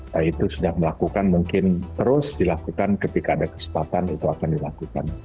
nah itu sudah melakukan mungkin terus dilakukan ketika ada kesempatan itu akan dilakukan